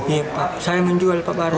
iya pak saya menjual barang